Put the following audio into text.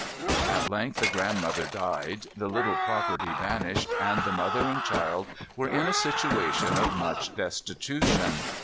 At length the grandmother died: the little property vanished, and the mother and child were in a situation of much destitution.